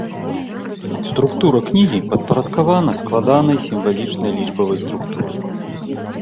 Структура кнігі падпарадкавана складанай сімвалічнай лічбавай структуры.